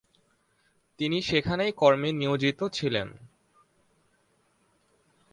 তিনি সেখানেই কর্মে নিয়োজিত ছিলেন।